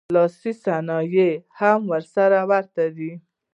لاسي صنایع یې هم سره ورته دي